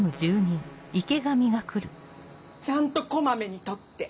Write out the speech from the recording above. ちゃんと小まめに取って。